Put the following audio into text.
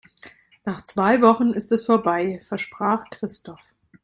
Nach zwei Wochen ist es vorbei, versprach Christoph.